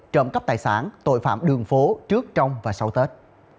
trộm cắp tài sản tội phạm đường phố trước trong và sau tết